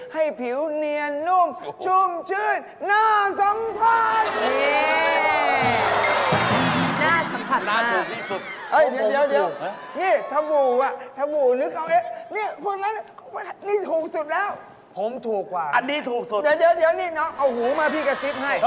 ให้ผิวเนียนนุ่มชุ่มชื่นน่าสัมผัส